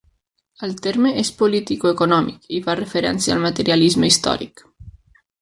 El terme és politicoeconòmic i fa referència al materialisme històric.